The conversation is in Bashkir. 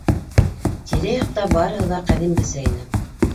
Тирә-яҡта барыһы ла ҡәҙимгесә ине.